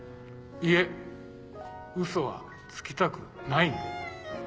いえウソはつきたくないんで。